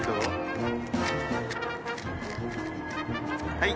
はい。